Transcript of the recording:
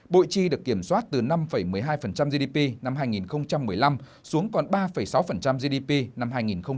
bộ trì được kiểm soát từ năm một mươi hai gdp năm hai nghìn một mươi năm xuống còn ba sáu gdp năm hai nghìn một mươi sáu